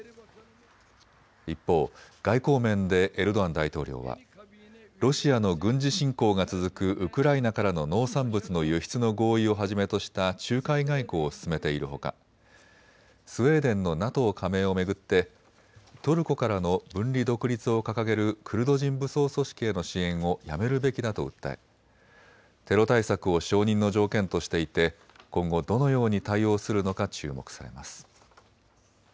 一方、外交面でエルドアン大統領はロシアの軍事侵攻が続くウクライナからの農産物の輸出の合意をはじめとした仲介外交を進めているほかスウェーデンのＮＡＴＯ加盟を巡ってトルコからの分離独立を掲げるクルド人武装組織への支援をやめるべきだと訴えテロ対策を承認の条件としていて今後、どのように対応するのか注目されます。